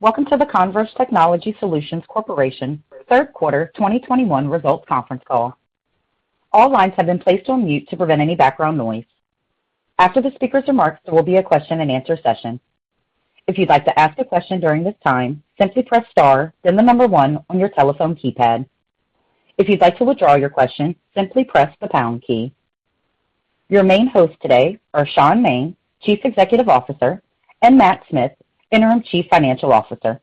Welcome to the Converge Technology Solutions Corp. Third Quarter 2021 Results Conference Call. All lines have been placed on mute to prevent any background noise. After the speaker's remarks, there will be a question-and-answer session. If you'd like to ask a question during this time, simply press star then the number one on your telephone keypad. If you'd like to withdraw your question, simply press the pound key. Your main host today are Shaun Maine, Chief Executive Officer, and Matt Smith, Interim Chief Financial Officer.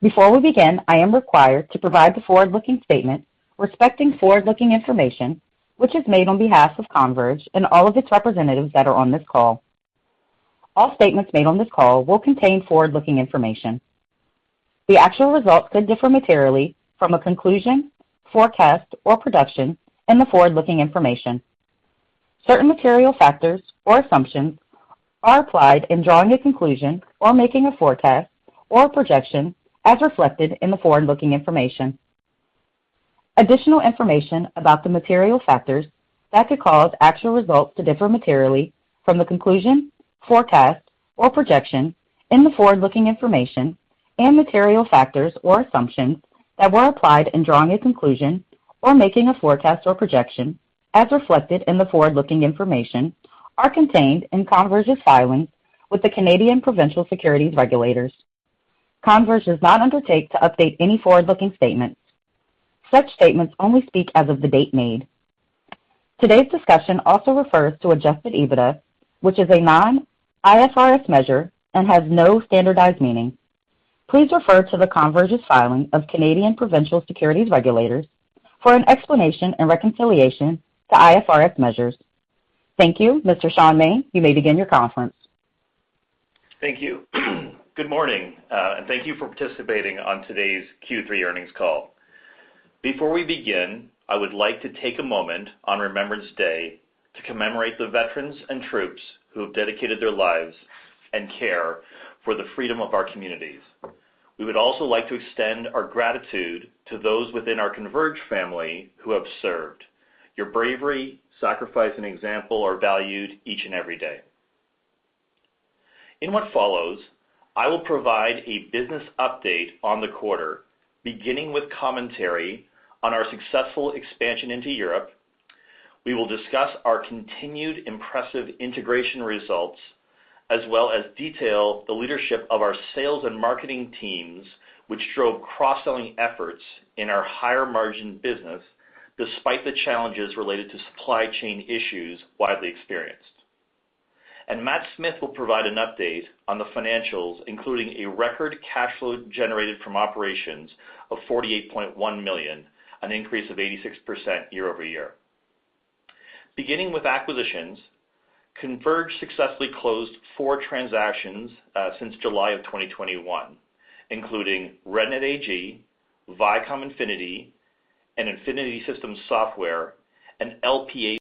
Before we begin, I am required to provide the forward-looking statement respecting forward-looking information, which is made on behalf of Converge and all of its representatives that are on this call. All statements made on this call will contain forward-looking information. The actual results could differ materially from a conclusion, forecast, or projection in the forward-looking information. Certain material factors or assumptions are applied in drawing a conclusion or making a forecast or projection as reflected in the forward-looking information. Additional information about the material factors that could cause actual results to differ materially from the conclusion, forecast, or projection in the forward-looking information and material factors or assumptions that were applied in drawing a conclusion or making a forecast or projection as reflected in the forward-looking information are contained in Converge's filing with the Canadian Provincial Securities Regulators. Converge does not undertake to update any forward-looking statements. Such statements only speak as of the date made. Today's discussion also refers to adjusted EBITDA, which is a non-IFRS measure and has no standardized meaning. Please refer to the Converge's filing of Canadian Provincial Securities Regulators for an explanation and reconciliation to IFRS measures. Thank you. Mr. Shaun Maine, you may begin your conference. Thank you. Good morning, and thank you for participating on today's Q3 earnings call. Before we begin, I would like to take a moment on Remembrance Day to commemorate the veterans and troops who have dedicated their lives and care for the freedom of our communities. We would also like to extend our gratitude to those within our Converge family who have served. Your bravery, sacrifice, and example are valued each and every day. In what follows, I will provide a business update on the quarter, beginning with commentary on our successful expansion into Europe. We will discuss our continued impressive integration results, as well as detail the leadership of our sales and marketing teams, which drove cross-selling efforts in our higher margin business despite the challenges related to supply chain issues widely experienced. Matt Smith will provide an update on the financials, including a record cash flow generated from operations of 48.1 million, an increase of 86% year-over-year. Beginning with acquisitions, Converge successfully closed four transactions since July 2021, including REDNET AG, Vicom Infinity, and Infinity Systems Software, and LPA.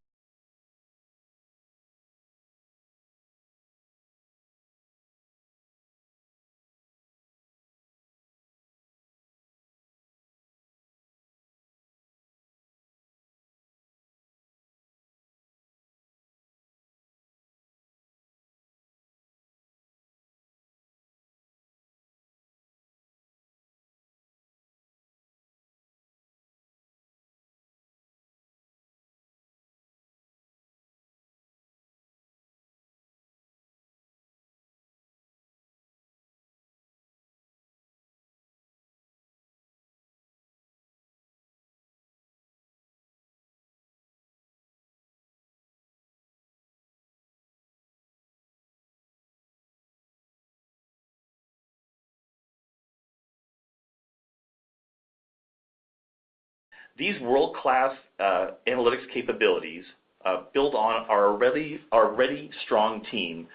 These world-class analytics capabilities built on our already strong team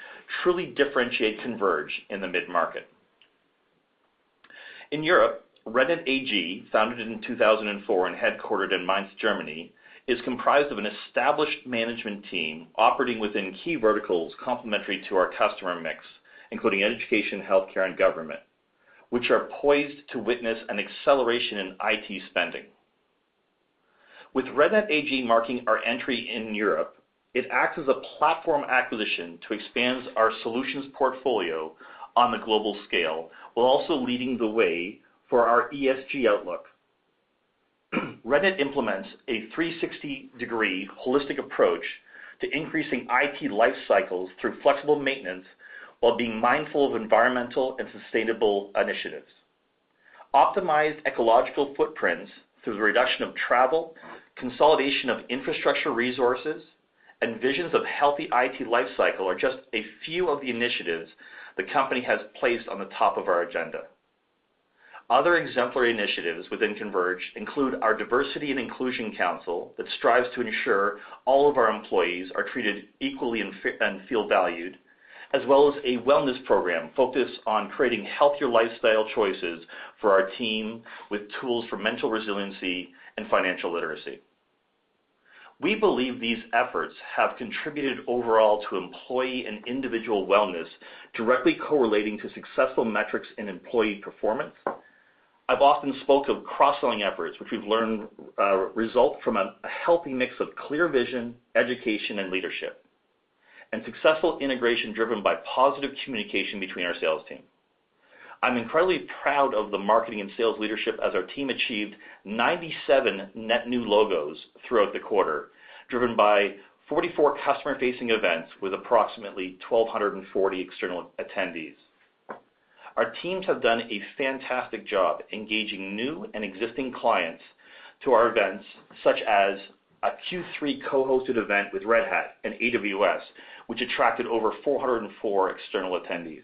truly differentiate Converge in the mid-market. In Europe, REDNET AG, founded in 2004 and headquartered in Mainz, Germany, is comprised of an established management team operating within key verticals complementary to our customer mix, including education, healthcare, and government, which are poised to witness an acceleration in IT spending. With REDNET AG marking our entry in Europe, it acts as a platform acquisition to expand our solutions portfolio on the global scale, while also leading the way for our ESG outlook. REDNET AG implements a 360-degree holistic approach to increasing IT life cycles through flexible maintenance while being mindful of environmental and sustainable initiatives. Optimized ecological footprints through the reduction of travel, consolidation of infrastructure resources, and visions of healthy IT life cycle are just a few of the initiatives the company has placed on the top of our agenda. Other exemplary initiatives within Converge include our Diversity and Inclusion Council that strives to ensure all of our employees are treated equally and feel valued, as well as a wellness program focused on creating healthier lifestyle choices for our team with tools for mental resiliency and financial literacy. We believe these efforts have contributed overall to employee and individual wellness directly correlating to successful metrics in employee performance. I've often spoke of cross-selling efforts, which we've learned result from a healthy mix of clear vision, education, and leadership and successful integration driven by positive communication between our sales team. I'm incredibly proud of the marketing and sales leadership as our team achieved 97 net new logos throughout the quarter, driven by 44 customer-facing events with approximately 1,240 external attendees. Our teams have done a fantastic job engaging new and existing clients to our events, such as a Q3 co-hosted event with Red Hat and AWS, which attracted over 404 external attendees.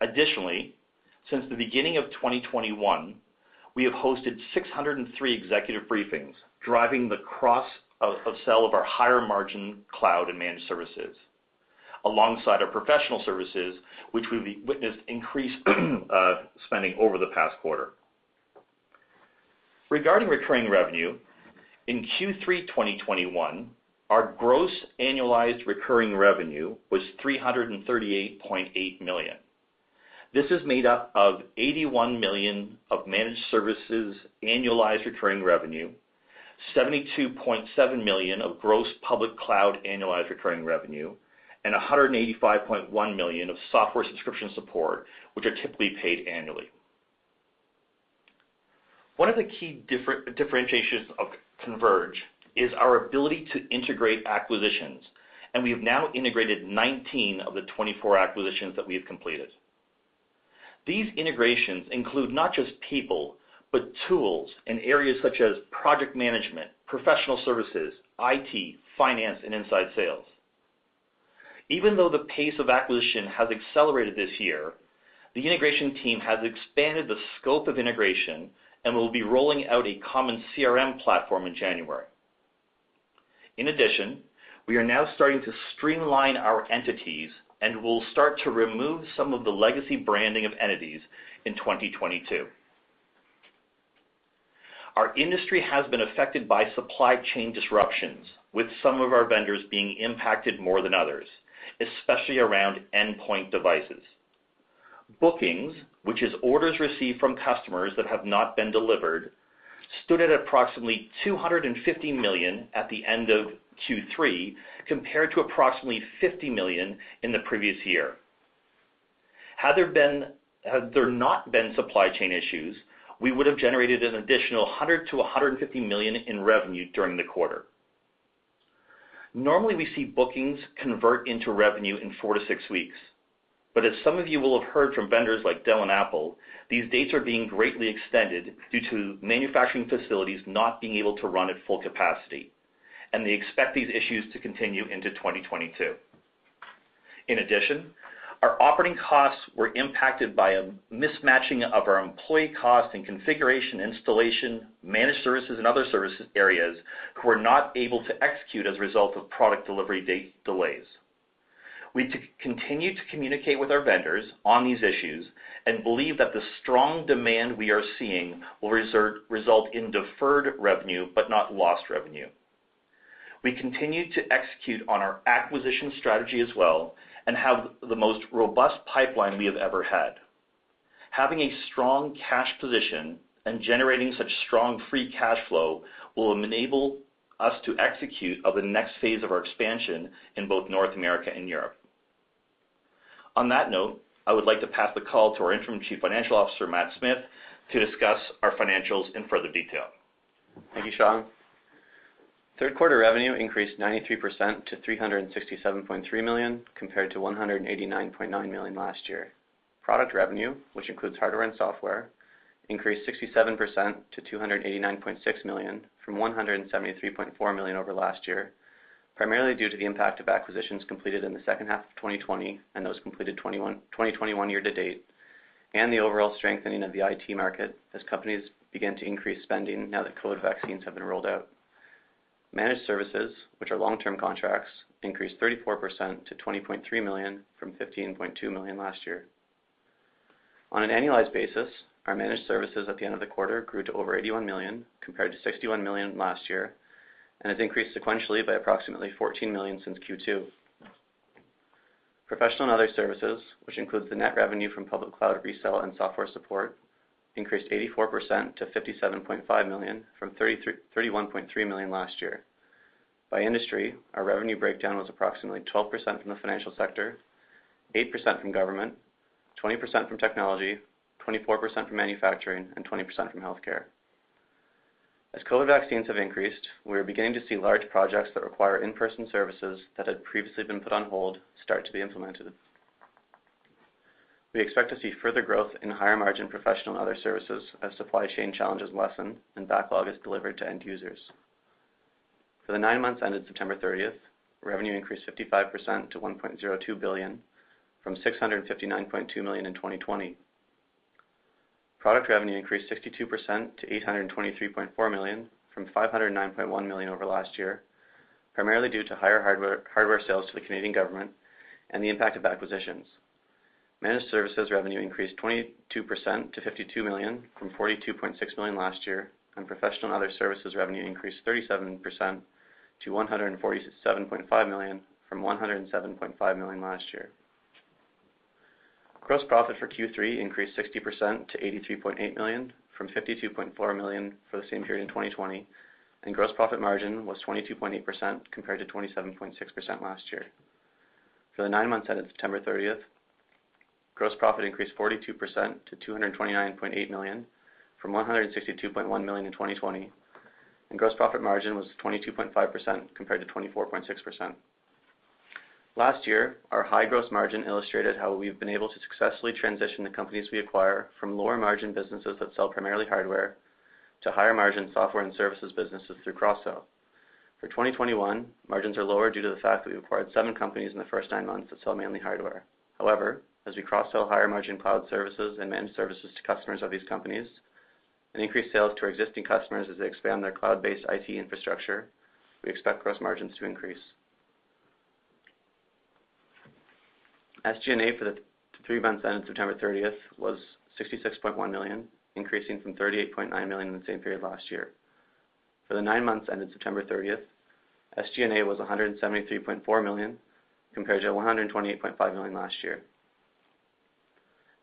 Additionally, since the beginning of 2021, we have hosted 603 executive briefings, driving the cross-sell of our higher margin cloud and managed services, alongside our professional services, which we've witnessed increase of spending over the past quarter. Regarding recurring revenue, in Q3 2021, our gross annualized recurring revenue was 338.8 million. This is made up of 81 million of managed services annualized recurring revenue, 72.7 million of gross public cloud annualized recurring revenue, and 185.1 million of software subscription support, which are typically paid annually. One of the key differentiations of Converge is our ability to integrate acquisitions, and we have now integrated 19 of the 24 acquisitions that we have completed. These integrations include not just people, but tools in areas such as project management, professional services, IT, finance, and inside sales. Even though the pace of acquisition has accelerated this year, the integration team has expanded the scope of integration and will be rolling out a common CRM platform in January. In addition, we are now starting to streamline our entities and will start to remove some of the legacy branding of entities in 2022. Our industry has been affected by supply chain disruptions, with some of our vendors being impacted more than others, especially around endpoint devices. Bookings, which is orders received from customers that have not been delivered, stood at approximately 250 million at the end of Q3, compared to approximately 50 million in the previous year. Had there not been supply chain issues, we would have generated an additional 100 million-150 million in revenue during the quarter. Normally, we see bookings convert into revenue in four to six weeks. As some of you will have heard from vendors like Dell and Apple, these dates are being greatly extended due to manufacturing facilities not being able to run at full capacity, and they expect these issues to continue into 2022. In addition, our operating costs were impacted by a mismatching of our employee cost and configuration, installation, managed services and other service areas who are not able to execute as a result of product delivery date delays. We continue to communicate with our vendors on these issues and believe that the strong demand we are seeing will result in deferred revenue but not lost revenue. We continue to execute on our acquisition strategy as well and have the most robust pipeline we have ever had. Having a strong cash position and generating such strong free cash flow will enable us to execute on the next phase of our expansion in both North America and Europe. On that note, I would like to pass the call to our Interim Chief Financial Officer, Matt Smith, to discuss our financials in further detail. Thank you, Shaun. Third quarter revenue increased 93% to 367.3 million, compared to 189.9 million last year. Product revenue, which includes hardware and software, increased 67% to 289.6 million from 173.4 million over last year, primarily due to the impact of acquisitions completed in the second half of 2020 and those completed 2021 year to date, and the overall strengthening of the IT market as companies begin to increase spending now that COVID vaccines have been rolled out. Managed services, which are long-term contracts, increased 34% to 20.3 million from 15.2 million last year. On an annualized basis, our managed services at the end of the quarter grew to over 81 million, compared to 61 million last year, and has increased sequentially by approximately 14 million since Q2. Professional and other services, which includes the net revenue from public cloud resale and software support, increased 84% to 57.5 million from 31.3 million last year. By industry, our revenue breakdown was approximately 12% from the financial sector, 8% from government, 20% from technology, 24% from manufacturing, and 20% from healthcare. As COVID vaccines have increased, we are beginning to see large projects that require in-person services that had previously been put on hold start to be implemented. We expect to see further growth in higher margin professional and other services as supply chain challenges lessen and backlog is delivered to end users. For the nine months ended September 30, revenue increased 55% to 1.02 billion from 659.2 million in 2020. Product revenue increased 62% to 823.4 million from 509.1 million over last year, primarily due to higher hardware sales to the Canadian government and the impact of acquisitions. Managed services revenue increased 22% to 52 million from 42.6 million last year, and professional and other services revenue increased 37% to 147.5 million from 107.5 million last year. Gross profit for Q3 increased 60% to 83.8 million from 52.4 million for the same period in 2020, and gross profit margin was 22.8% compared to 27.6% last year. For the nine months ended September 30th, gross profit increased 42% to 229.8 million from 162.1 million in 2020, and gross profit margin was 22.5% compared to 24.6%. Last year, our high gross margin illustrated how we've been able to successfully transition the companies we acquire from lower margin businesses that sell primarily hardware to higher margin software and services businesses through cross-sell. For 2021, margins are lower due to the fact that we acquired seven companies in the first nine months that sell mainly hardware. However, as we cross-sell higher margin cloud services and managed services to customers of these companies, and increase sales to our existing customers as they expand their cloud-based IT infrastructure, we expect gross margins to increase. SG&A for the three months ended September 30 was 66.1 million, increasing from 38.9 million in the same period last year. For the nine months ended September 30, SG&A was 173.4 million compared to 128.5 million last year.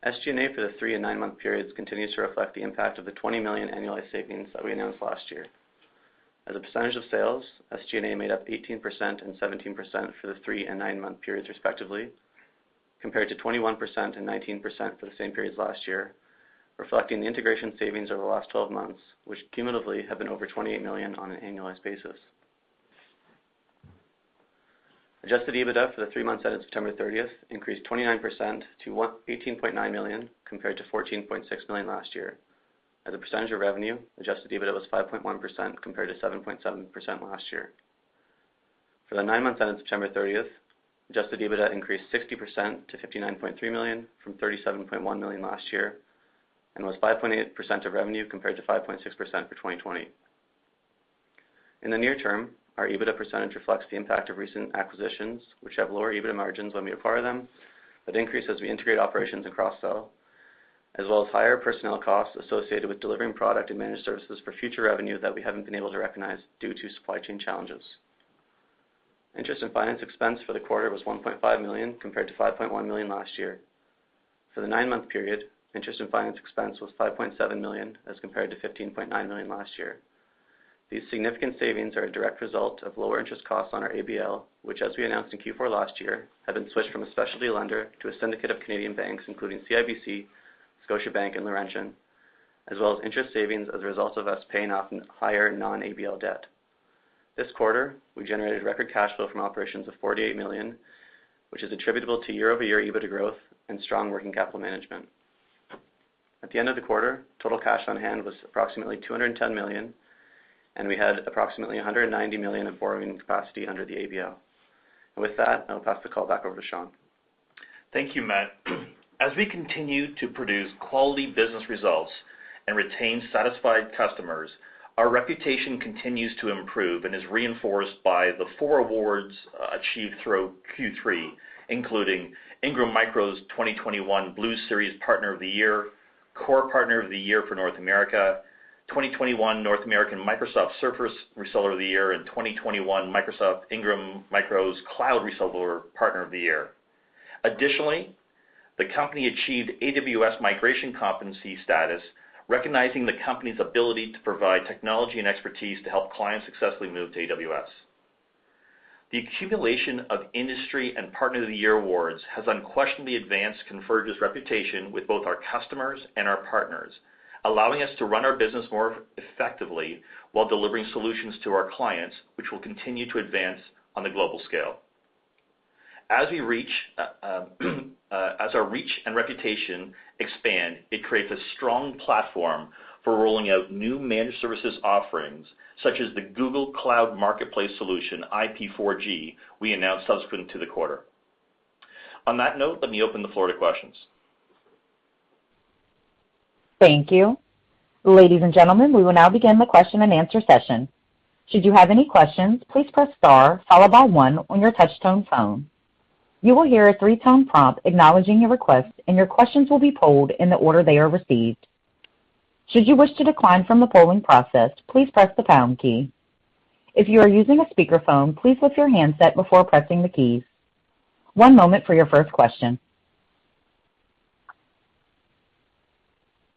SG&A for the three and nine-month periods continues to reflect the impact of the 20 million annualized savings that we announced last year. As a percentage of sales, SG&A made up 18% and 17% for the three and nine-month periods respectively, compared to 21% and 19% for the same periods last year, reflecting the integration savings over the last 12 months, which cumulatively have been over 28 million on an annualized basis. Adjusted EBITDA for the three months ended September 30 increased 29% to 18.9 million compared to 14.6 million last year. As a percentage of revenue, adjusted EBITDA was 5.1% compared to 7.7% last year. For the nine months ended September 30, adjusted EBITDA increased 60% to 59.3 million from 37.1 million last year, and was 5.8% of revenue compared to 5.6% for 2020. In the near term, our EBITDA percentage reflects the impact of recent acquisitions, which have lower EBITDA margins when we acquire them, but increase as we integrate operations and cross-sell, as well as higher personnel costs associated with delivering product and managed services for future revenue that we haven't been able to recognize due to supply chain challenges. Interest and finance expense for the quarter was 1.5 million compared to 5.1 million last year. For the nine month period, interest and finance expense was 5.7 million as compared to 15.9 million last year. These significant savings are a direct result of lower interest costs on our ABL, which, as we announced in Q4 last year, have been switched from a specialty lender to a syndicate of Canadian banks, including CIBC, Scotiabank, and Laurentian, as well as interest savings as a result of us paying off higher non-ABL debt. This quarter, we generated record cash flow from operations of 48 million, which is attributable to year-over-year EBITDA growth and strong working capital management. At the end of the quarter, total cash on hand was approximately 210 million, and we had approximately 190 million in borrowing capacity under the ABL. With that, I'll pass the call back over to Shaun. Thank you, Matt. As we continue to produce quality business results and retain satisfied customers, our reputation continues to improve and is reinforced by the four awards achieved throughout Q3, including Ingram Micro's 2021 Blue Series Partner of the Year, CORE Partner of the Year for North America, 2021 North America Microsoft Surface Reseller of the Year, and 2021 Ingram Micro's Microsoft Cloud Reseller Partner of the Year. Additionally, the company achieved AWS Migration Competency status, recognizing the company's ability to provide technology and expertise to help clients successfully move to AWS. The accumulation of industry and Partner of the Year awards has unquestionably advanced Converge's reputation with both our customers and our partners, allowing us to run our business more effectively while delivering solutions to our clients, which will continue to advance on the global scale. As our reach and reputation expand, it creates a strong platform for rolling out new managed services offerings, such as the Google Cloud Marketplace solution, IP4G, we announced subsequent to the quarter. On that note, let me open the floor to questions. Thank you. Ladies and gentlemen, we will now begin the question-and-answer session. Should you have any questions, please press star followed by one on your touch-tone phone. You will hear a three-tone prompt acknowledging your request, and your questions will be polled in the order they are received. Should you wish to decline from the polling process, please press the pound key. If you are using a speakerphone, please lift your handset before pressing the keys. One moment for your first question.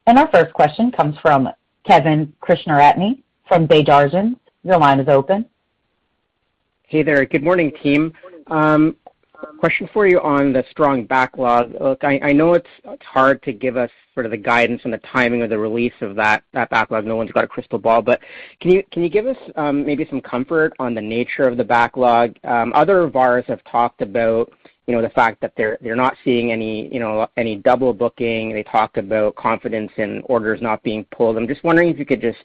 Our first question comes from Kevin Krishnaratne from Desjardins. Your line is open. Hey there. Good morning, team. Question for you on the strong backlog. Look, I know it's hard to give us sort of the guidance and the timing of the release of that backlog. No one's got a crystal ball. Can you give us maybe some comfort on the nature of the backlog? Other VARs have talked about, you know, the fact that they're not seeing any, you know, any double booking. They talked about confidence in orders not being pulled. I'm just wondering if you could just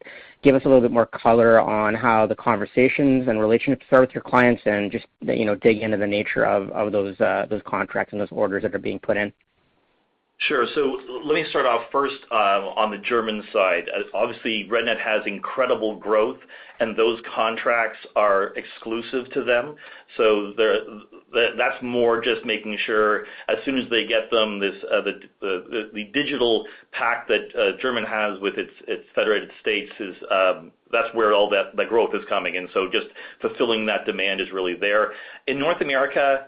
give us a little bit more color on how the conversations and relationships are with your clients and just, you know, dig into the nature of those contracts and those orders that are being put in. Sure. Let me start off first on the German side. Obviously, REDNET has incredible growth and those contracts are exclusive to them. That's more just making sure as soon as they get them, the DigitalPakt that Germany has with its federated states is, that's where all that growth is coming in. Just fulfilling that demand is really there. In North America,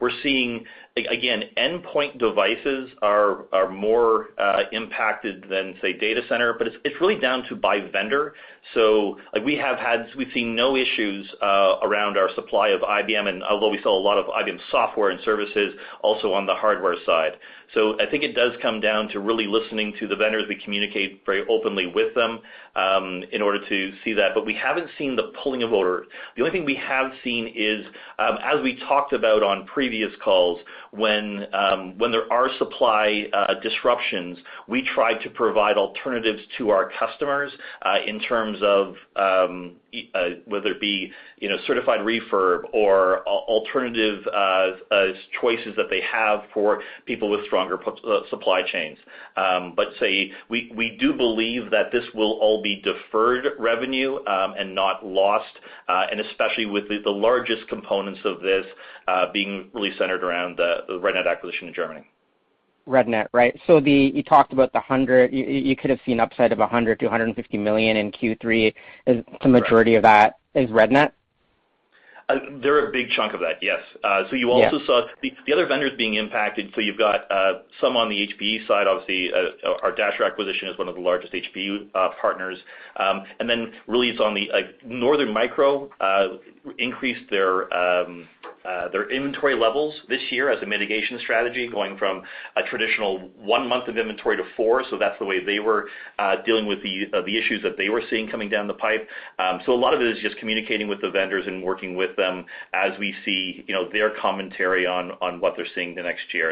we're seeing, again, endpoint devices are more impacted than, say, data center, but it's really down to by vendor. Like we've seen no issues around our supply of IBM and although we sell a lot of IBM software and services also on the hardware side. I think it does come down to really listening to the vendors. We communicate very openly with them, in order to see that. We haven't seen the pulling of order. The only thing we have seen is, as we talked about on previous calls, when there are supply disruptions, we try to provide alternatives to our customers, in terms of, whether it be, you know, certified refurb or alternative choices that they have for people with stronger supply chains. Say we do believe that this will all be deferred revenue, and not lost, and especially with the largest components of this being really centered around the REDNET acquisition in Germany. REDNET AG, right. You talked about the 100. You could have seen upside of 100 million-250 million in Q3. Is- Correct. The majority of that is REDNET? They're a big chunk of that, yes. Yeah. You also saw the other vendors being impacted. You've got some on the HPE side, obviously. Our Dasher acquisition is one of the largest HPE partners. Really it's on the, like, Northern Micro increased their inventory levels this year as a mitigation strategy, going from a traditional one month of inventory to four. That's the way they were dealing with the issues that they were seeing coming down the pipe. A lot of it is just communicating with the vendors and working with them as we see their commentary on what they're seeing the next year.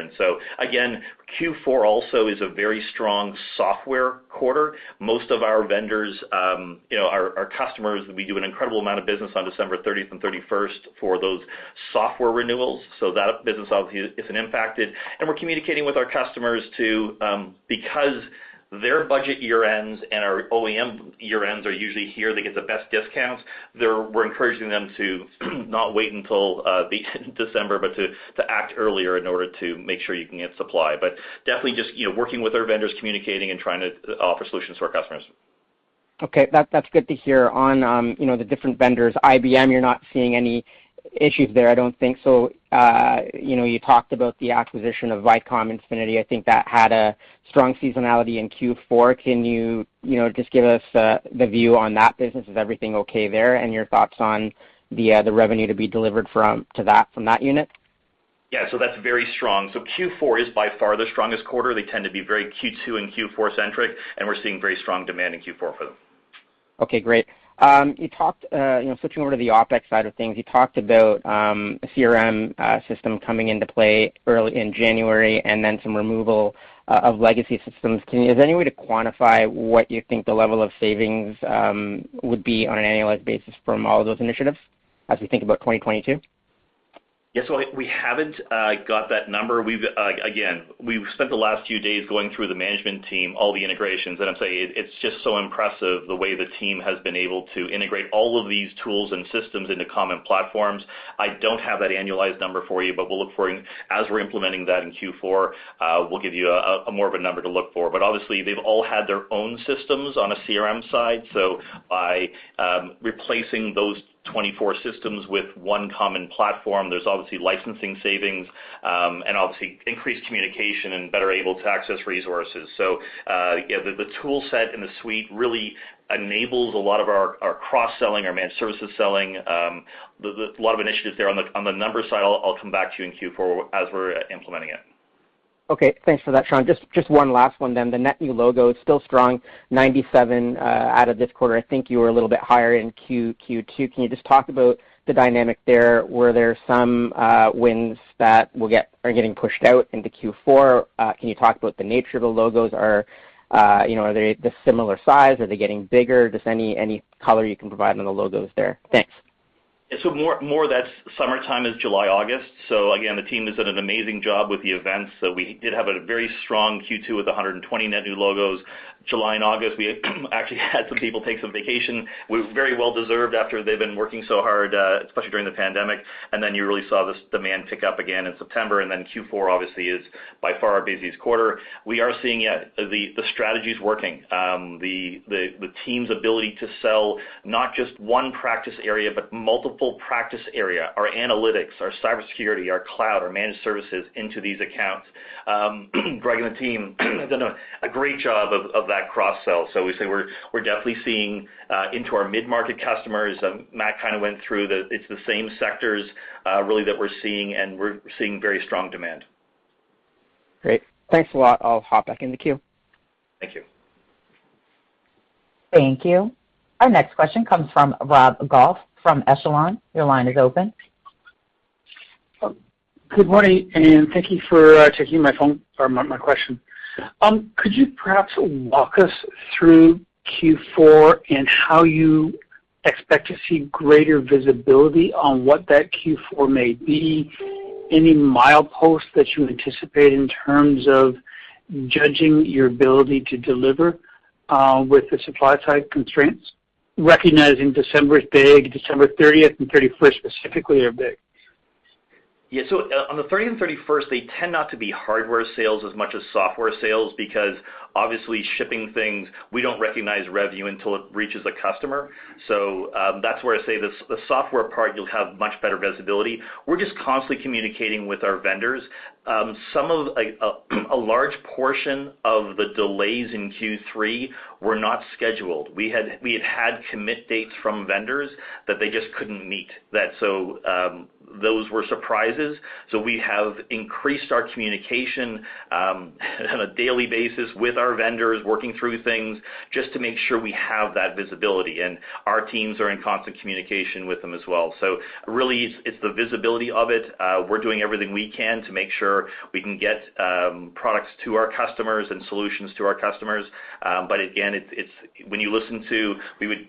Again, Q4 also is a very strong software quarter. Most of our vendors, our customers, we do an incredible amount of business on December 30th and 31st for those software renewals, so that business obviously isn't impacted. We're communicating with our customers because their budget year ends and our OEM year ends are usually here, they get the best discounts. We're encouraging them to not wait until the December, but to act earlier in order to make sure you can get supply. Definitely, you know, working with our vendors, communicating and trying to offer solutions to our customers. Okay. That's good to hear. On, you know, the different vendors, IBM, you're not seeing any issues there, I don't think. You know, you talked about the acquisition of Vicom Infinity. I think that had a strong seasonality in Q4. Can you know, just give us the view on that business? Is everything okay there? Your thoughts on the revenue to be delivered from that unit? Yeah. That's very strong. Q4 is by far the strongest quarter. They tend to be very Q2 and Q4-centric, and we're seeing very strong demand in Q4 for them. Okay, great. You talked, you know, switching over to the OpEx side of things, you talked about a CRM system coming into play early in January and then some removal of legacy systems. Is there any way to quantify what you think the level of savings would be on an annualized basis from all of those initiatives as we think about 2022? Yes. Well, we haven't got that number. We've again spent the last few days going through the management team, all the integrations, and I'd say it's just so impressive the way the team has been able to integrate all of these tools and systems into common platforms. I don't have that annualized number for you, but we'll look for, as we're implementing that in Q4, we'll give you a more of a number to look for. Obviously they've all had their own systems on a CRM side. By replacing those 24 systems with one common platform, there's obviously licensing savings, and obviously increased communication and better able to access resources. The tool set in the suite really enables a lot of our cross-selling, our managed services selling. A lot of initiatives there. On the numbers side, I'll come back to you in Q4 as we're implementing it. Okay. Thanks for that, Shaun. Just one last one. The net new logo is still strong, 97 out of this quarter. I think you were a little bit higher in Q2. Can you just talk about the dynamic there? Were there some wins that are getting pushed out into Q4? Can you talk about the nature of the logos? Are you know, are they the similar size? Are they getting bigger? Just any color you can provide on the logos there? Thanks. That's summertime, July, August. Again, the team has done an amazing job with the events. We did have a very strong Q2 with 120 net new logos. July and August, we actually had some people take some vacation. It was very well deserved after they've been working so hard, especially during the pandemic. Then you really saw this demand pick up again in September. Then Q4 obviously is by far our busiest quarter. We are seeing the strategy's working. The team's ability to sell not just one practice area, but multiple practice area, our analytics, our cybersecurity, our cloud, our managed services into these accounts. Greg and the team have done a great job of that cross-sell. We say we're definitely seeing into our mid-market customers. It's the same sectors, really, that we're seeing, and we're seeing very strong demand. Great. Thanks a lot. I'll hop back in the queue. Thank you. Thank you. Our next question comes from Rob Goff from Echelon. Your line is open. Good morning, and thank you for taking my question. Could you perhaps walk us through Q4 and how you- Expect to see greater visibility on what that Q4 may be. Any mileposts that you anticipate in terms of judging your ability to deliver with the supply side constraints, recognizing December is big, December thirtieth and thirty-first specifically are big. On the 30th and 31st, they tend not to be hardware sales as much as software sales because obviously shipping things, we don't recognize revenue until it reaches the customer. That's where I say the software part, you'll have much better visibility. We're just constantly communicating with our vendors. A large portion of the delays in Q3 were not scheduled. We had commit dates from vendors that they just couldn't meet. Those were surprises. We have increased our communication on a daily basis with our vendors, working through things just to make sure we have that visibility. Our teams are in constant communication with them as well. Really, it's the visibility of it. We're doing everything we can to make sure we can get products to our customers and solutions to our customers. Again, it's when you listen, we would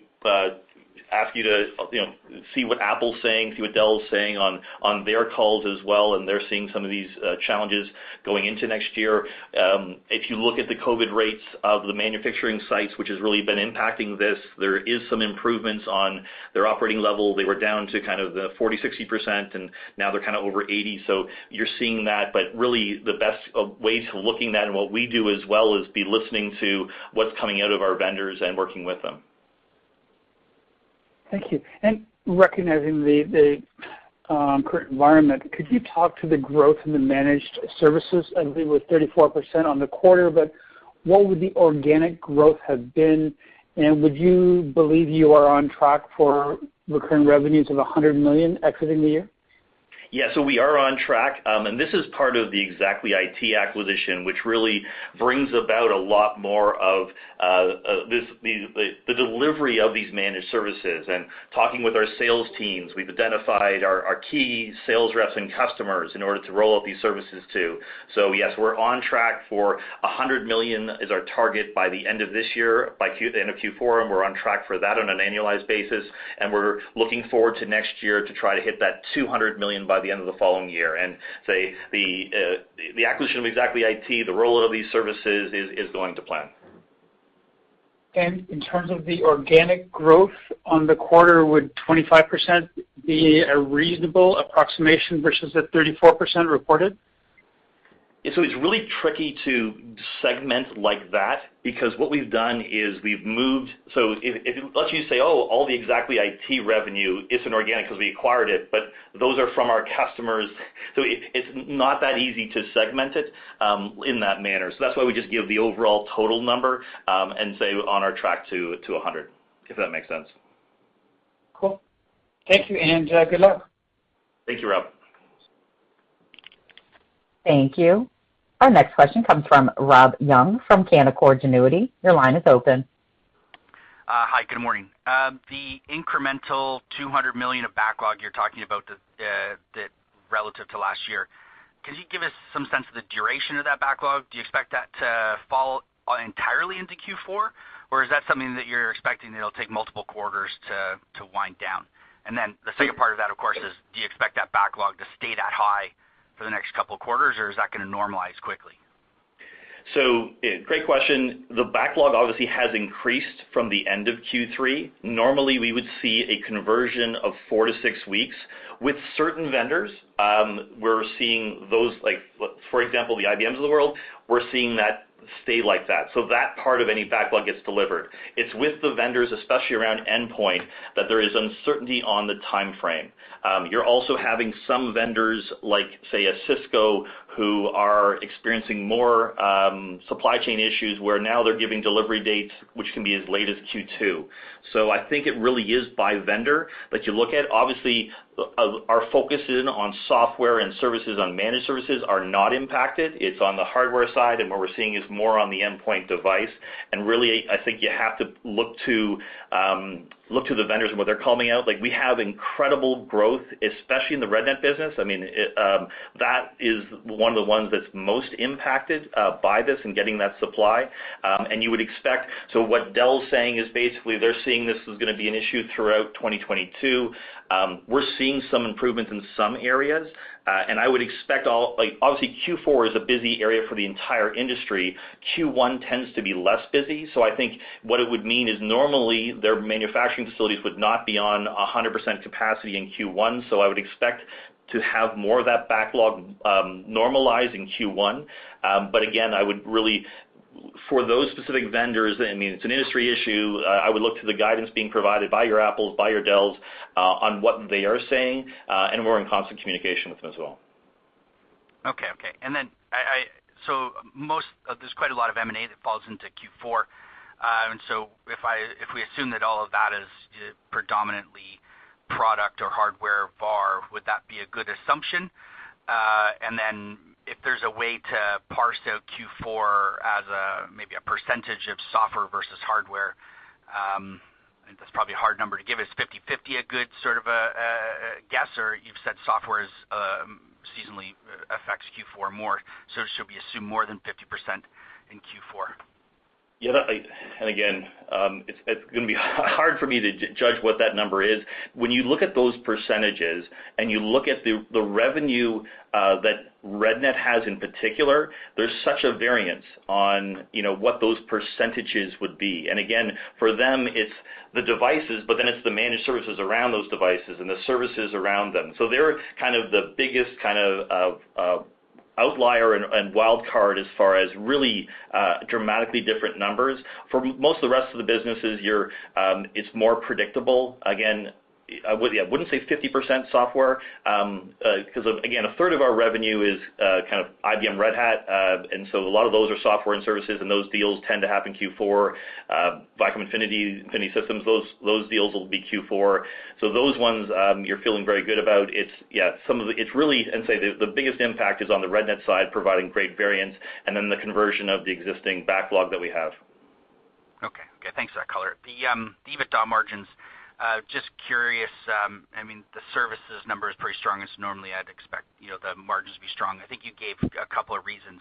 ask you to, you know, see what Apple is saying, see what Dell is saying on their calls as well, and they're seeing some of these challenges going into next year. If you look at the COVID rates of the manufacturing sites, which has really been impacting this, there is some improvements on their operating level. They were down to kind of the 40%-60%, and now they're kind of over 80%. So you're seeing that. Really the best way to look at what we do as well is to listen to what's coming out of our vendors and working with them. Thank you. Recognizing the current environment, could you talk to the growth in the managed services? I believe it was 34% on the quarter, but what would the organic growth have been, and would you believe you are on track for recurring revenues of 100 million exiting the year? Yeah. We are on track. This is part of the ExactlyIT acquisition, which really brings about a lot more of the delivery of these managed services. Talking with our sales teams, we've identified our key sales reps and customers in order to roll out these services too. Yes, we're on track for 100 million is our target by the end of this year. By the end of Q4, and we're on track for that on an annualized basis, and we're looking forward to next year to try to hit that 200 million by the end of the following year. So the acquisition of ExactlyIT, the rollout of these services is going to plan. In terms of the organic growth on the quarter, would 25% be a reasonable approximation versus the 34% reported? It's really tricky to segment like that because what we've done is we've moved. If, let's just say, all the ExactlyIT revenue isn't organic because we acquired it, but those are from our customers. It's not that easy to segment it in that manner. That's why we just give the overall total number and say we're on track to 100, if that makes sense. Cool. Thank you, and good luck. Thank you, Rob. Thank you. Our next question comes from Rob Young from Canaccord Genuity. Your line is open. Hi, good morning. The incremental 200 million of backlog you're talking about that relative to last year, can you give us some sense of the duration of that backlog? Do you expect that to fall entirely into Q4, or is that something that you're expecting that'll take multiple quarters to wind down? The second part of that, of course, is do you expect that backlog to stay that high for the next couple of quarters, or is that gonna normalize quickly? Great question. The backlog obviously has increased from the end of Q3. Normally, we would see a conversion of four to six weeks. With certain vendors, we're seeing those, like, for example, the IBMs of the world, we're seeing that stay like that. That part of any backlog gets delivered. It's with the vendors, especially around endpoint, that there is uncertainty on the timeframe. You're also having some vendors like, say, a Cisco, who are experiencing more supply chain issues, where now they're giving delivery dates, which can be as late as Q2. I think it really is by vendor, but you look at, obviously, our focus is on software and services. Our managed services are not impacted. It's on the hardware side, and what we're seeing is more on the endpoint device. Really, I think you have to look to the vendors and what they're calling out. Like, we have incredible growth, especially in the REDNET business. I mean, that is one of the ones that's most impacted by this in getting that supply. You would expect. What Dell's saying is basically they're seeing this is gonna be an issue throughout 2022. We're seeing some improvements in some areas. I would expect. Like, obviously, Q4 is a busy area for the entire industry. Q1 tends to be less busy. I think what it would mean is normally, their manufacturing facilities would not be on 100% capacity in Q1. I would expect to have more of that backlog normalize in Q1. Again, for those specific vendors, I mean, it's an industry issue. I would look to the guidance being provided by your Apple, by your Dell, on what they are saying, and we're in constant communication with them as well. Okay. There's quite a lot of M&A that falls into Q4. If we assume that all of that is predominantly product or hardware VAR, would that be a good assumption? If there's a way to parse out Q4 as maybe a percentage of software versus hardware, that's probably a hard number to give us. Is 50-50 a good sort of a guess, or you've said software is 50 or more. Should we assume more than 50% in Q4? It's gonna be hard for me to judge what that number is. When you look at those percentages and you look at the revenue that REDNET has in particular, there's such a variance on, you know, what those percentages would be. For them, it's the devices, but then it's the managed services around those devices and the services around them. They're kind of the biggest kind of outlier and wildcard as far as really dramatically different numbers. For most of the rest of the businesses, it's more predictable. I wouldn't say it's 50% software 'cause a third of our revenue is kind of IBM Red Hat. A lot of those are software and services, and those deals tend to happen in Q4. Vicom Infinity Systems, those deals will be Q4. Those ones, you're feeling very good about. I'd say the biggest impact is on the REDNET side, providing great variance and then the conversion of the existing backlog that we have. Okay, thanks for that color. The EBITDA margins, just curious, I mean, the services number is pretty strong, as normally I'd expect, you know, the margins to be strong. I think you gave a couple of reasons.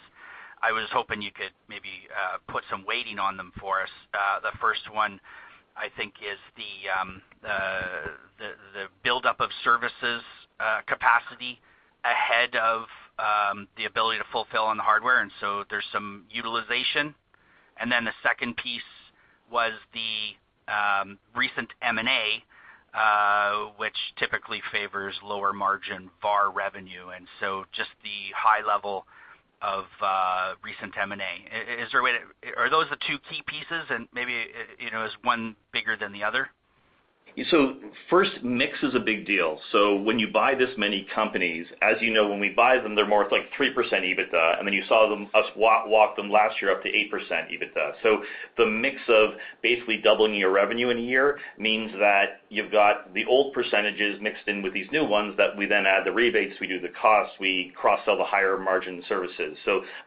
I was hoping you could maybe put some weighting on them for us. The first one, I think, is the buildup of services capacity ahead of the ability to fulfill on the hardware, and so there's some utilization. The second piece was the recent M&A, which typically favors lower margin VAR revenue, and so just the high level of recent M&A. Is there a way? Are those the two key pieces? Maybe you know, is one bigger than the other? First, mix is a big deal. When you buy this many companies, as you know, when we buy them, they're more like 3% EBITDA, and then you saw us walk them last year up to 8% EBITDA. The mix of basically doubling your revenue in a year means that you've got the old percentages mixed in with these new ones, that we then add the rebates, we do the costs, we cross-sell the higher margin services.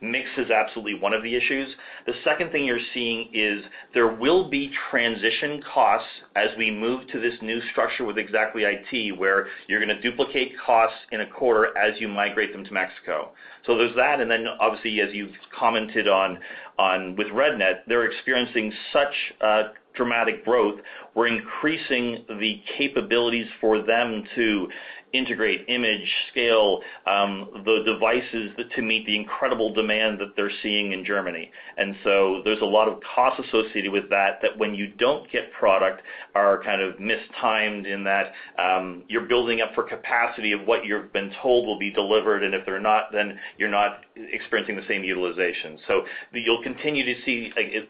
Mix is absolutely one of the issues. The second thing you're seeing is there will be transition costs as we move to this new structure with ExactlyIT, where you're gonna duplicate costs in a quarter as you migrate them to Mexico. There's that, and then obviously, as you've commented on with REDNET, they're experiencing such dramatic growth. We're increasing the capabilities for them to integrate, manage, scale the devices to meet the incredible demand that they're seeing in Germany. There's a lot of costs associated with that when you don't get product are kind of mistimed in that, you're building up capacity of what you've been told will be delivered, and if they're not, then you're not experiencing the same utilization. You'll continue to see, like,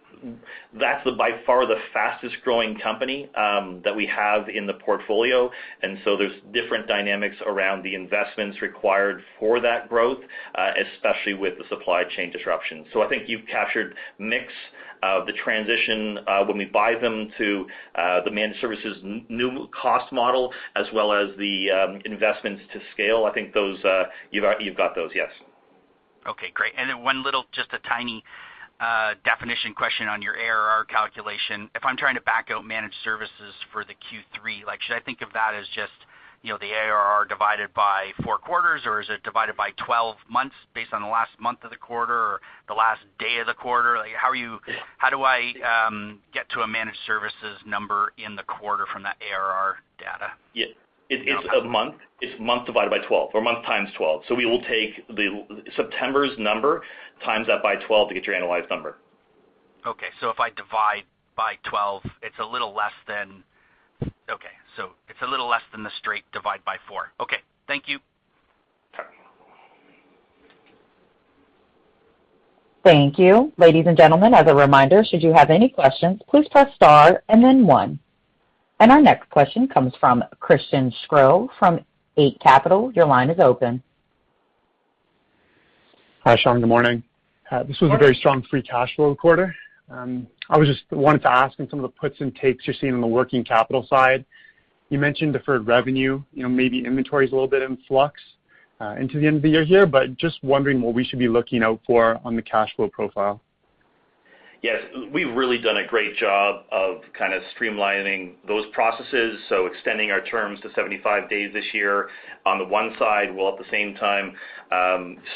That's by far the fastest growing company that we have in the portfolio, and there's different dynamics around the investments required for that growth, especially with the supply chain disruption. I think you've captured mix, the transition when we buy them to the managed services new cost model, as well as the investments to scale. I think those, you've got those, yes. Okay, great. Then one little just a tiny definition question on your ARR calculation. If I'm trying to back out managed services for the Q3, like should I think of that as just, you know, the ARR divided by four quarters, or is it divided by 12 months based on the last month of the quarter or the last day of the quarter? Like how are you Yeah. How do I get to a managed services number in the quarter from that ARR data? Yeah. It is a month. It's month divided by 12 or month times 12. So we will take the September's number, times that by 12 to get your annualized number. Okay. It's a little less than the straight divide by four. Okay. Thank you. Sure. Thank you. Ladies and gentlemen, as a reminder, should you have any questions, please press star and then one. Our next question comes from Christian Sgro from Eight Capital. Your line is open. Hi, Shaun. Good morning. Good morning. This was a very strong free cash flow quarter. I was just wanting to ask on some of the puts and takes you're seeing on the working capital side. You mentioned deferred revenue, you know, maybe inventory's a little bit in flux into the end of the year here, but just wondering what we should be looking out for on the cash flow profile? Yes. We've really done a great job of kind of streamlining those processes, so extending our terms to 75 days this year on the one side, while at the same time,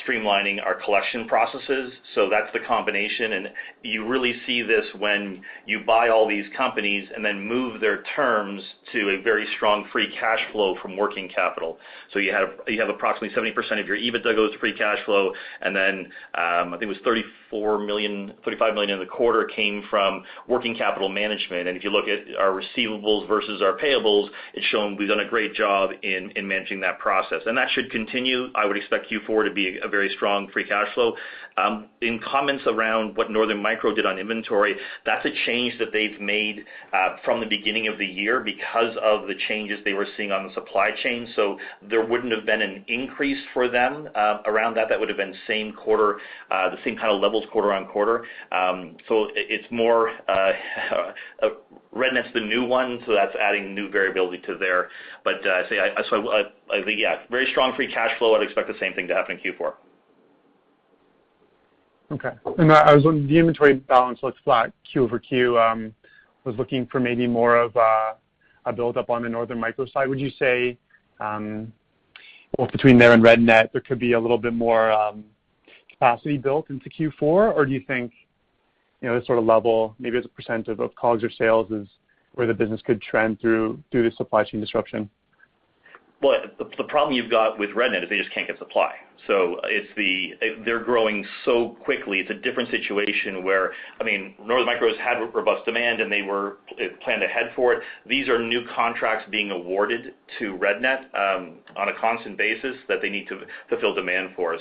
streamlining our collection processes. That's the combination, and you really see this when you buy all these companies and then move their terms to a very strong free cash flow from working capital. You have approximately 70% of your EBITDA goes to free cash flow, and then, I think it was 34 million, 35 million in the quarter came from working capital management. If you look at our receivables versus our payables, it's shown we've done a great job in managing that process. That should continue. I would expect Q4 to be a very strong free cash flow. In comments around what Northern Micro did on inventory, that's a change that they've made from the beginning of the year because of the changes they were seeing on the supply chain. There wouldn't have been an increase for them around that. That would've been the same quarter the same kind of levels quarter on quarter. It's more, REDNET's the new one, so that's adding new variability to their. Very strong free cash flow. I'd expect the same thing to happen in Q4. The inventory balance looks flat Q-over-Q. I was looking for maybe more of a build up on the Northern Micro side. Would you say, well, between there and REDNET, there could be a little bit more capacity built into Q4? Or do you think, you know, this sort of level, maybe as a % of COGS or sales is where the business could trend through the supply chain disruption? Well, the problem you've got with REDNET AG is they just can't get supply. They're growing so quickly, it's a different situation where, I mean, Northern Micro's had robust demand, and they were planned ahead for it. These are new contracts being awarded to REDNET AG on a constant basis that they need to fill demand for.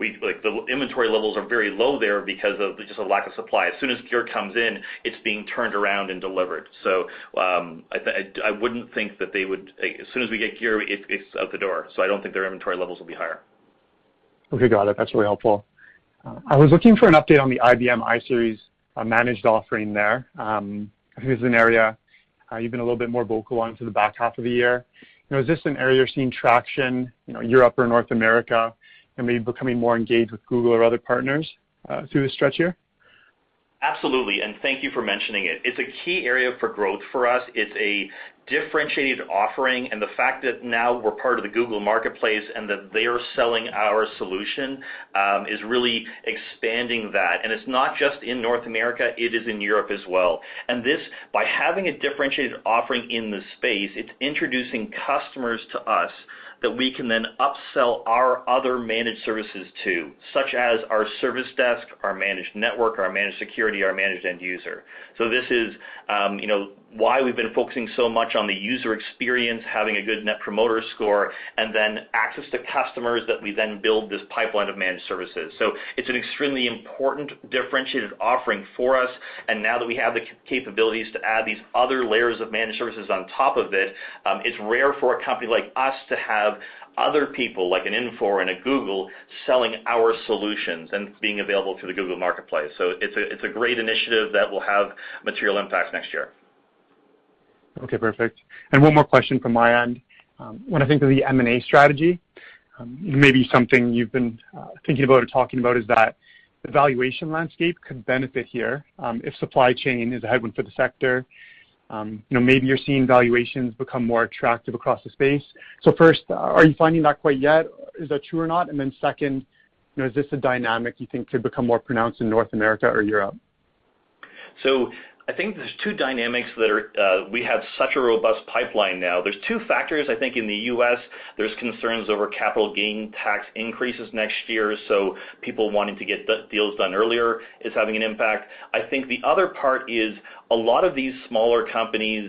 Like, the inventory levels are very low there because of just a lack of supply. As soon as gear comes in, it's being turned around and delivered. I wouldn't think that they would. As soon as we get gear, it's out the door, so I don't think their inventory levels will be higher. Okay, got it. That's really helpful. I was looking for an update on the IBM iSeries, managed offering there. This is an area, you've been a little bit more vocal on for the back half of the year. You know, is this an area you're seeing traction, you know, Europe or North America, and maybe becoming more engaged with Google or other partners, through this stretch here? Absolutely. Thank you for mentioning it. It's a key area for growth for us. It's a differentiated offering, and the fact that now we're part of the Google Marketplace and that they are selling our solution is really expanding that. It's not just in North America, it is in Europe as well. This, by having a differentiated offering in the space, it's introducing customers to us that we can then upsell our other managed services to, such as our service desk, our managed network, our managed security, our managed end user. This is, you know, why we've been focusing so much on the user experience, having a good Net Promoter Score, and then access to customers that we then build this pipeline of managed services. It's an extremely important differentiated offering for us. Now that we have the capabilities to add these other layers of managed services on top of it's rare for a company like us to have other people, like an Infor and a Google, selling our solutions and being available through the Google Marketplace. It's a great initiative that will have material impact next year. Okay, perfect. One more question from my end. When I think of the M&A strategy, maybe something you've been thinking about or talking about is that the valuation landscape could benefit here, if supply chain is a headwind for the sector. You know, maybe you're seeing valuations become more attractive across the space. First, are you finding that quite yet? Is that true or not? Second, you know, is this a dynamic you think could become more pronounced in North America or Europe? I think there's two dynamics that are. We have such a robust pipeline now. There's two factors, I think, in the U.S. There's concerns over capital gain tax increases next year, so people wanting to get the deals done earlier is having an impact. I think the other part is a lot of these smaller companies,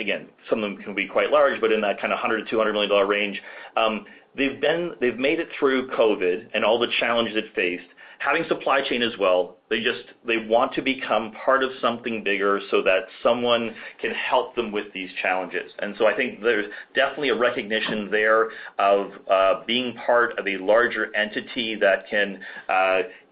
again, some of them can be quite large, but in that kind of $100 million-$200 million range, they've made it through COVID and all the challenges it faced, having supply chain as well, they want to become part of something bigger so that someone can help them with these challenges. I think there's definitely a recognition there of being part of a larger entity that can,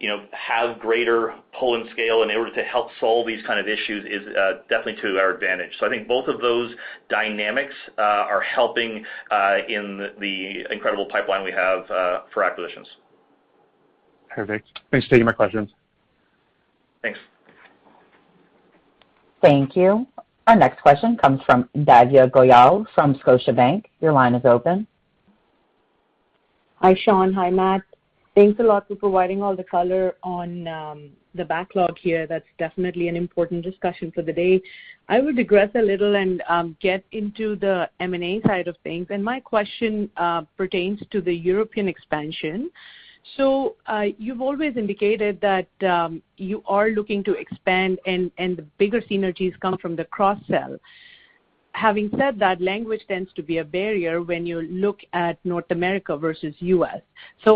you know, have greater pull and scale in order to help solve these kind of issues is definitely to our advantage. I think both of those dynamics are helping in the incredible pipeline we have for acquisitions. Perfect. Thanks for taking my questions. Thanks. Thank you. Our next question comes from Divya Goyal from Scotiabank. Your line is open. Hi, Shaun. Hi, Matt. Thanks a lot for providing all the color on the backlog here. That's definitely an important discussion for the day. I would digress a little and get into the M&A side of things, and my question pertains to the European expansion. You've always indicated that you are looking to expand and the bigger synergies come from the cross-sell. Having said that, language tends to be a barrier when you look at North America versus U.S.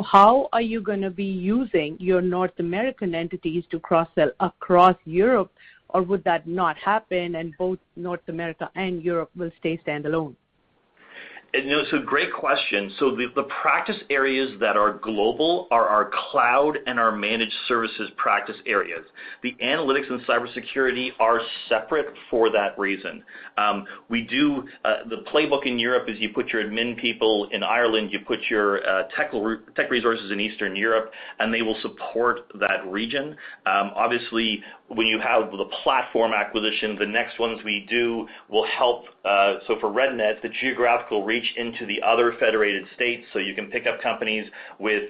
How are you gonna be using your North American entities to cross-sell across Europe? Would that not happen and both North America and Europe will stay standalone? You know, great question. The practice areas that are global are our cloud and our managed services practice areas. The analytics and cybersecurity are separate for that reason. The playbook in Europe is you put your admin people in Ireland, you put your tech resources in Eastern Europe, and they will support that region. Obviously, when you have the platform acquisition, the next ones we do will help. For REDNET, the geographical reach into the other federated states, you can pick up companies with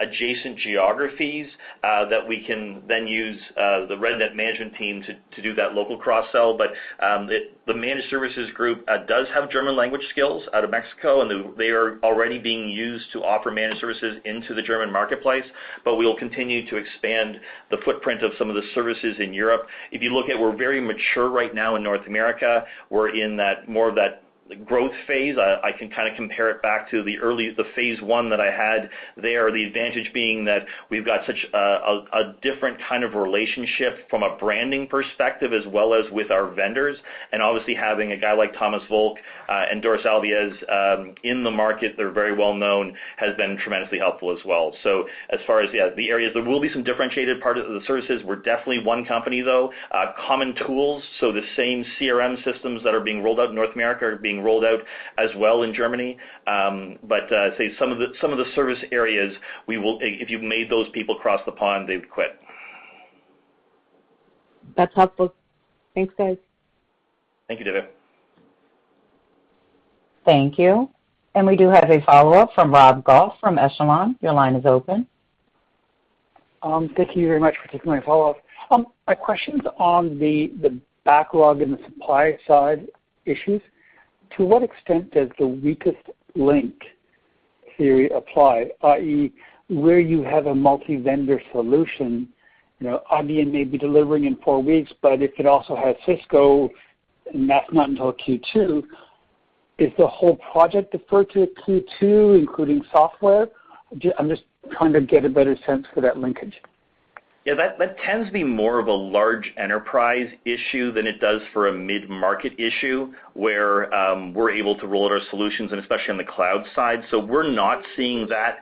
adjacent geographies that we can then use the REDNET management team to do that local cross-sell. The managed services group does have German language skills out of Mexico, and they are already being used to offer managed services into the German marketplace. We'll continue to expand the footprint of some of the services in Europe. If you look at we're very mature right now in North America. We're in that, more of that growth phase. I can kind of compare it back to the phase one that I had there, the advantage being that we've got such a different kind of relationship from a branding perspective as well as with our vendors. Obviously, having a guy like Thomas Volk and Doris Albiez in the market, they're very well known, has been tremendously helpful as well. As far as, yeah, the areas, there will be some differentiated part of the services. We're definitely one company, though. Common tools, the same CRM systems that are being rolled out in North America are being rolled out as well in Germany. If you made those people cross the pond, they'd quit. That's helpful. Thanks, guys. Thank you, Debbie. Thank you. We do have a follow-up from Rob Goff from Echelon. Your line is open. Thank you very much for taking my follow-up. My question's on the backlog and the supply side issues. To what extent does the weakest link theory apply, i.e., where you have a multi-vendor solution? You know, Aruba may be delivering in four weeks, but if it also has Cisco, and that's not until Q2, is the whole project deferred to Q2, including software? I'm just trying to get a better sense for that linkage. Yeah, that tends to be more of a large enterprise issue than it does for a mid-market issue where we're able to roll out our solutions and especially on the cloud side. We're not seeing that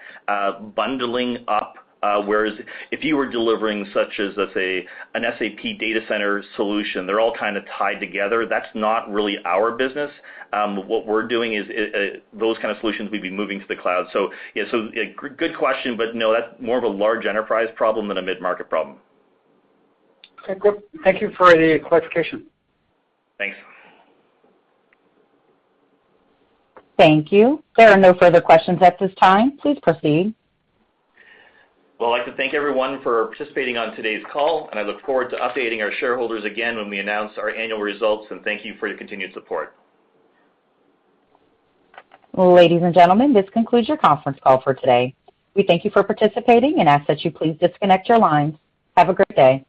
bundling up, whereas if you were delivering such as, let's say, an SAP data center solution, they're all kind of tied together. That's not really our business. What we're doing is those kind of solutions we'd be moving to the cloud. Yeah, so good question, but no, that's more of a large enterprise problem than a mid-market problem. Okay, good. Thank you for the clarification. Thanks. Thank you. There are no further questions at this time. Please proceed. Well, I'd like to thank everyone for participating on today's call, and I look forward to updating our shareholders again when we announce our annual results, and thank you for your continued support. Ladies and gentlemen, this concludes your conference call for today. We thank you for participating and ask that you please disconnect your lines. Have a great day.